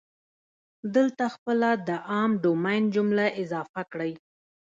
دلته خپله د عام ډومین جمله اضافه کړئ.